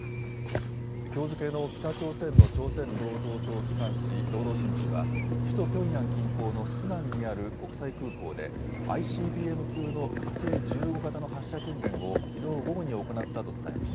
きょう付けの北朝鮮の朝鮮労働党機関紙、労働新聞は、首都ピョンヤン近郊のスナンにある国際空港で、ＩＣＢＭ級の火星１５型の発射訓練を、きのう午後に行ったと伝えました。